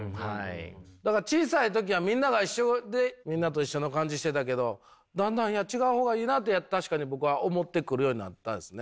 だから小さい時はみんなが一緒でみんなと一緒の感じしてたけどだんだんいや違う方がいいなって確かに僕は思ってくるようになったですね。